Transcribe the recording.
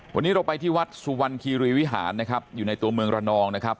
วันนี้เราไปที่วัดสุวรรณคีรีวิหารนะครับอยู่ในตัวเมืองระนองนะครับ